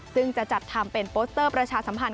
ซึ่งจะจัดทำเป็นโปสเตอร์ประชาสัมพันธ